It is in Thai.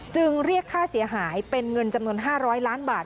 เรียกค่าเสียหายเป็นเงินจำนวน๕๐๐ล้านบาท